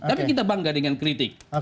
tapi kita bangga dengan kritik